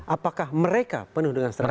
apakah mereka penuh dengan strategi